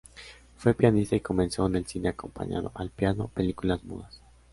Fue pianista y comenzó en el cine acompañando al piano películas mudas.